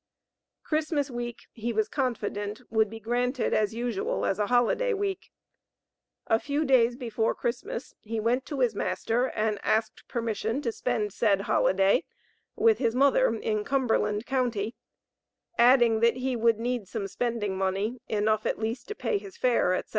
Christmas week he was confident would be granted as usual as a holiday week; a few days before Christmas he went to his master and asked permission to spend said holiday with his mother, in Cumberland county, adding that he would need some spending money, enough at least to pay his fare, etc.